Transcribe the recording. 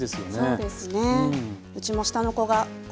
そうですか。